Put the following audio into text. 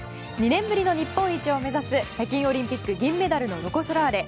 ２年ぶりの日本一を目指す北京オリンピック銀メダルのロコ・ソラーレ。